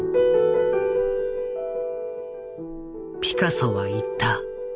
ピカソは言った。